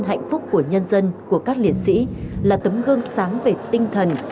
hạnh phúc của nhân dân của các liệt sĩ là tấm gương sáng về tinh thần